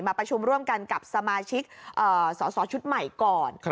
ประชุมร่วมกันกับสมาชิกสอสอชุดใหม่ก่อน